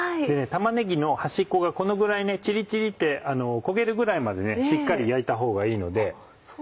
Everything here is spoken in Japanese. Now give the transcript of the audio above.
玉ねぎの端っこがこのぐらいチリチリって焦げるぐらいまでしっかり焼いたほうがいいので。